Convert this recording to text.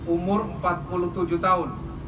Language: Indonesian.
umur empat puluh tujuh tahun